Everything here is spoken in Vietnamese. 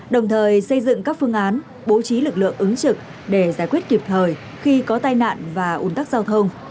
đồng thời xây dựng các phương án bố trí lực lượng ứng trực để giải quyết kịp thời khi có tai nạn và ủn tắc giao thông